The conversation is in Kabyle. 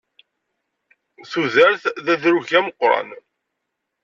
Tudert d adrug ameqqran.